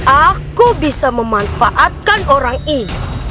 aku bisa memanfaatkan orang ini